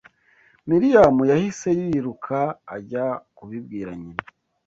Miriyamu yahise yiruka ajya kubibwira nyina